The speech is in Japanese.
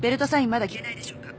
まだ消えないでしょうか？